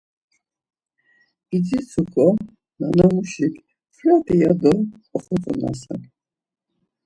İdzitsuǩon nana muşik frati ya do oxotzonasen.